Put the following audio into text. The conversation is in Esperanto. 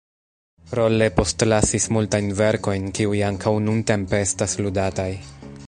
Rolle postlasis multajn verkojn, kiuj ankaŭ nuntempe estas ludataj.